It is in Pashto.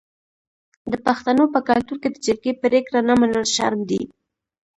د پښتنو په کلتور کې د جرګې پریکړه نه منل شرم دی.